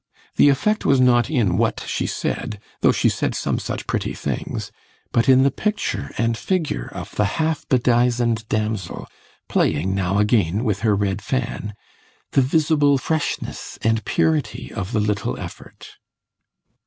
The effect was not in what she said, though she said some such pretty things, but in the picture and figure of the half bedizened damsel (playing, now again, with her red fan), the visible freshness and purity of the little effort.